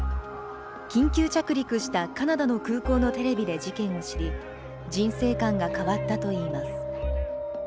緊急着陸したカナダの空港のテレビで事件を知り人生観が変わったといいます。